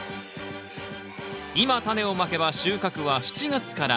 今タネをまけば収穫は７月から８月。